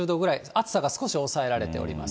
暑さが少し抑えられております。